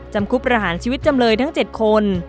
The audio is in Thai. จำคุกประหารชีวิตจำเลยทั้ง๗คน